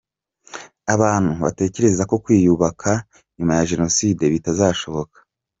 Abantu batekerezaga ko kwiyubaka nyuma ya Jenoside bitazashoboka.